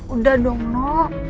udah dong no